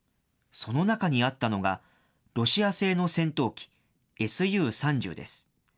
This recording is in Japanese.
その中にあったのが、ロシア製の戦闘機Ｓｕ３０です。